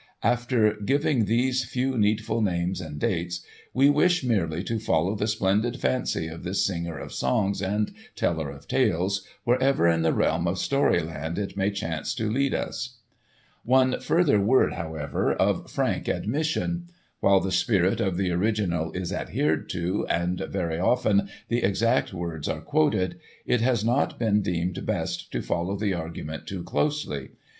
After giving these few needful names and dates, we wish merely to follow the splendid fancy of this singer of songs and teller of tales wherever in the realm of storyland it may chance to lead us. One further word, however, of frank admission. While the spirit of the original is adhered to, and very often the exact words are quoted, it has not been deemed best to follow the argument too closely.